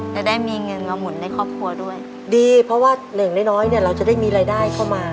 จะได้มีเงินมาหมุนในครอบครัวด้วย